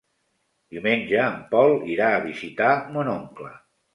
Diumenge en Pol irà a visitar mon oncle.